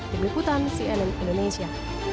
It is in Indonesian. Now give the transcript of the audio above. dengan ikutan cnn indonesia